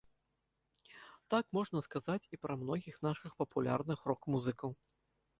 Так можна сказаць і пра многіх нашых папулярных рок-музыкаў.